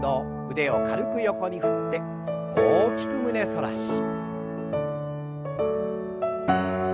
腕を軽く横に振って大きく胸反らし。